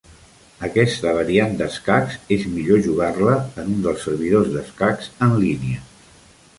Aquesta variant d'escacs és millor jugar-la en un dels servidors d'escacs en línia.